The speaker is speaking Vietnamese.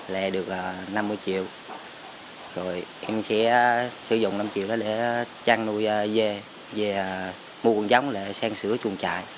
lệ được năm mươi triệu rồi em sẽ sử dụng năm mươi triệu đó để trang nuôi dê dê mua con giống để sang sửa chuồng trại